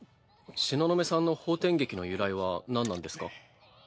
東雲さんの「方天戟」の由来は何なんですか？